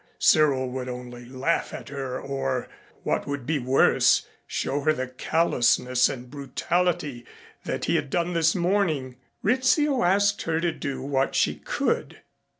Cyril would only laugh at her or, what would be worse, show her the callousness and brutality that he had done this morning. Rizzio asked her to do what she could.